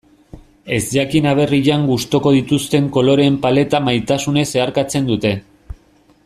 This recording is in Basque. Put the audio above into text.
Ezjakin aberrian gustuko dituzten koloreen paleta maisutasunez zeharkatzen dute.